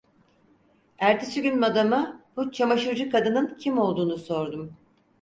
Ertesi gün madama bu çamaşırcı kadının kim olduğunu sordum.